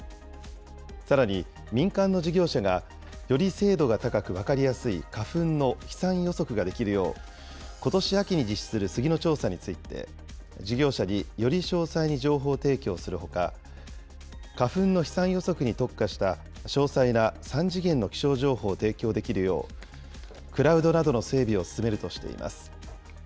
さらに、民間の事業者がより精度が高く分かりやすい花粉の飛散予測ができるよう、ことし秋に実施するスギの調査について、事業者により詳細に情報提供するほか、花粉の飛散予測に特化した詳細な３次元の気象情報を提供できるよう、クラウドなどの整備を進めるとしています。